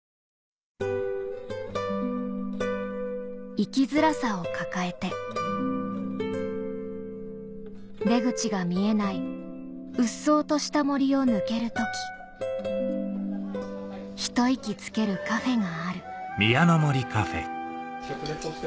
生きづらさを抱えて出口が見えないうっそうとした森を抜ける時一息つけるカフェがあるいいね！